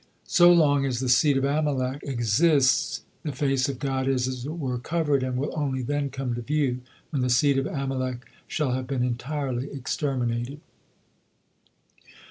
So long as the seed of Amalek exist, the face of God is, as it were, covered, and will only then come to view, when the seed of Amalek shall have been entirely exterminated.